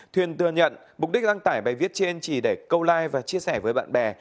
thuyền thừa nhận mục đích đăng tải bài viết trên chỉ để câu like và chia sẻ với bạn bè